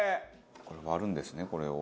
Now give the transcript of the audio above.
これ割るんですねこれを。